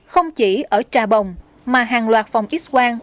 không chỉ ở trà bồng mà hàng loạt phòng x quang